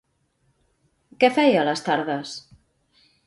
Què feia a les tardes?